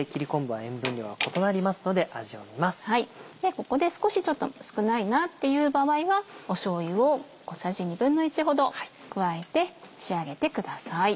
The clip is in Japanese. ここで少しちょっと少ないなっていう場合はしょうゆを小さじ１／２ほど加えて仕上げてください。